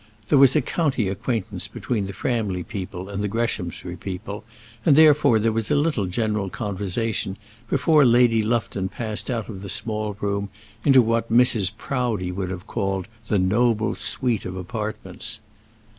There was a county acquaintance between the Framley people and the Greshamsbury people, and therefore there was a little general conversation before Lady Lufton passed out of the small room into what Mrs. Proudie would have called the noble suite of apartments.